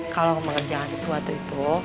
kalo mengerjakan sesuatu itu